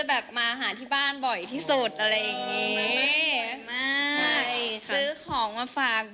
ยังไม่แต่งตอนนี้คะ